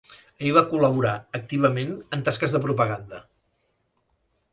Allí va col·laborar activament en tasques de propaganda.